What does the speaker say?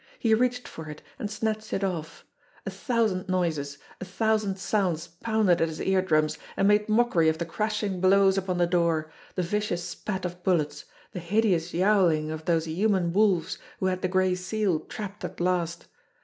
He reached for it, and snatched it off. A thousand noises, a thousand sounds pounded at his eardrums and made mockery of the crashing blows upon tha door, the vicious spat of bullets, the hideous yowling of those human wolves who had the Gray Seal trapped at last.